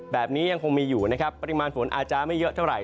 ยังคงมีอยู่นะครับปริมาณฝนอาจจะไม่เยอะเท่าไห